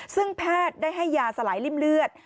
ซึ่งแพทย์ได้ให้ยาสลายริ่มเลือด